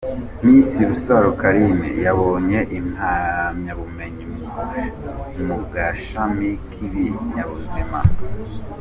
Miss Rusaro Carine: yabonye impamyabumenyi mu gashami k’ibinyabuzima.